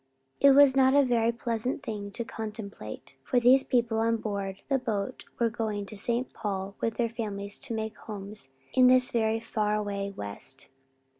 It was not a very pleasant thing to contemplate, for these people on board the boat were going to St. Paul with their families to make homes in this far away west.